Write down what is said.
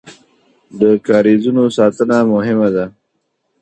د کاریزونو ساتنه مهمه ده